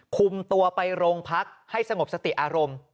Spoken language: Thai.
คุมตัวไปโรงพักให้สงบสติอารมณ์